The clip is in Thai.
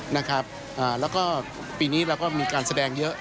นะครับอ่าแล้วก็ปีนี้เราก็มีการแสดงเยอะ